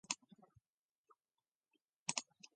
私はふと、人生の儚さを思った。